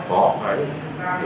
rất là hạn chế